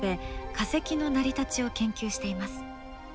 化石の成り立ちを研究しています。